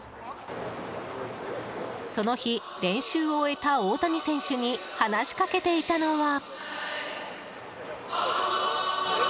その日、練習を終えた大谷選手に話しかけていたのは。